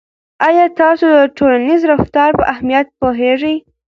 آیا تاسو د ټولنیز رفتار په اهمیت پوهیږئ.